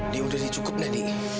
di udah cukup nah di